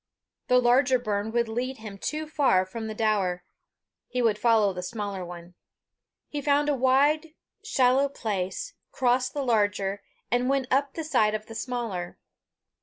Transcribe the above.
The larger burn would lead him too far from the Daur; he would follow the smaller one. He found a wide shallow place, crossed the larger, and went up the side of the smaller.